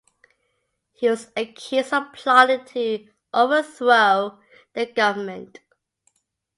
He was accused of plotting to overthrow the government.